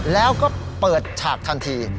แล้วก็เปิดฉากทันที